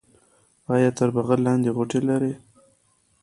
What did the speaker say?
ایا تر بغل لاندې غوټې لرئ؟